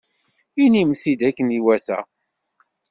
Inim-t-id akken iwata.